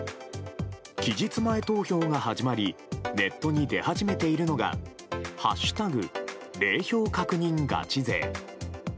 期日前投票が始まりネットに出始めているのが「＃零票確認ガチ勢」。